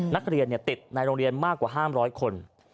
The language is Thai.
นักเรียนติดในโรงเรียนมากกว่า๕๐๐คน